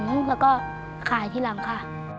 แล้วก็ขายทีหลังค่ะ